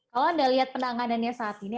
kalau anda lihat penanganannya saat ini